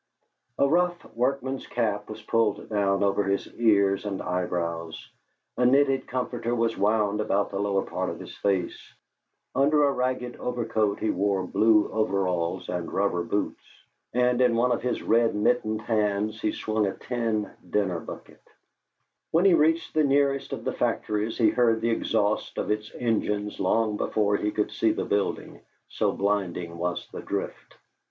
A rough, workman's cap was pulled down over his ears and eyebrows; a knitted comforter was wound about the lower part of his face; under a ragged overcoat he wore blue overalls and rubber boots; and in one of his red mittened hands he swung a tin dinner bucket. When he reached the nearest of the factories he heard the exhaust of its engines long before he could see the building, so blinding was the drift.